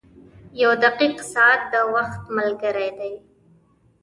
• یو دقیق ساعت د وخت ملګری دی.